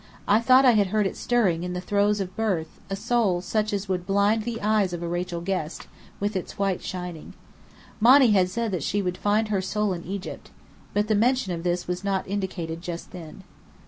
I thought I had heard it stirring in the throes of birth, a soul such as would blind the eyes of a Rachel Guest, with its white shining. Monny had said that she would "find her soul in Egypt." But the mention of this was not indicated just then.